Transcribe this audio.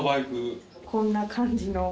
こんな感じの。